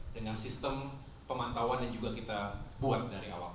dengan sistem pemantauan yang juga kita buat dari awal